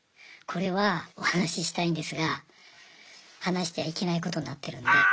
これはお話ししたいんですが話してはいけないことになってるんで。